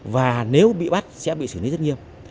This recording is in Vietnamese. và nếu bị bắt sẽ bị xử lý rất nghiêm